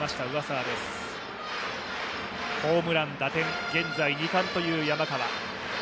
ホームラン、打点、現在２冠という山川。